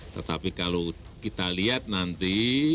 tetapi kalau kita lihat nanti